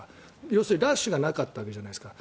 要するにラッシュがなかったわけじゃないですか。